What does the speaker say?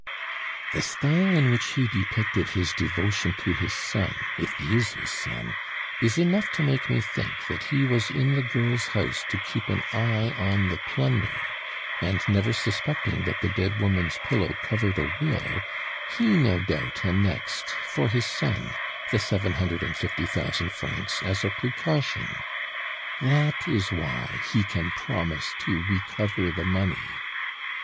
"The style in which he depicted his devotion to his son if he is his son is enough to make me think that he was in the girl's house to keep an eye on the plunder; and never suspecting that the dead woman's pillow covered a will, he no doubt annexed, for his son, the seven hundred and fifty thousand francs as a precaution. That is why he can promise to recover the money.